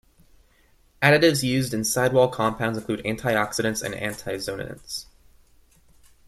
Additives used in sidewall compounds include antioxidants and antiozonants.